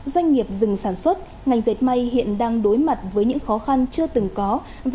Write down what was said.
doanh nghiệp dừng sản xuất ngành dệt may hiện đang đối mặt với những khó khăn chưa từng có